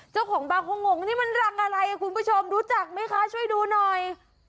เจ้าของบ้านเขางงนี่มันรังอะไรคุณผู้ชมรู้จักไหมคะช่วยดูหน่อย